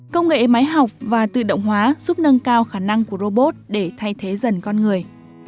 công nghệ máy học và tự động hóa giúp nâng cao khả năng của robot để thay thế dần con người